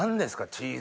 チーズ。